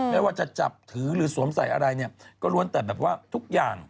ไม่ว่าจะจับถือหรือสวมใส่อะไรเนี่ยก็ล้วนแต่แบบว่าทุกอย่าง